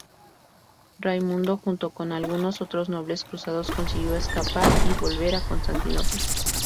Raimundo junto con algunos otros nobles cruzados consiguió escapar y volver a Constantinopla.